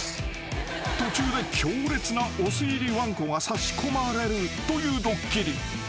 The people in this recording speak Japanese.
［途中で強烈なお酢入りわんこが差し込まれるというドッキリ］